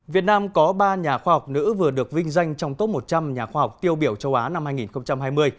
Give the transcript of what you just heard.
việt nam có ba nhà khoa học nữ vừa được vinh danh trong top một trăm linh nhà khoa học tiêu biểu châu á năm hai nghìn hai mươi